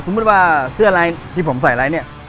สมมติว่าเสื้อที่ผมใส่อะไรเนี่ย